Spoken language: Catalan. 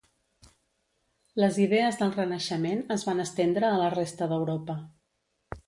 Les idees del renaixement es van estendre a la resta d'Europa.